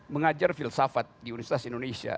mengajar filsafat di universitas indonesia